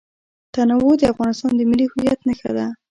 تنوع د افغانستان د ملي هویت نښه ده.